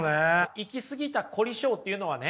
行き過ぎた凝り性っていうのはね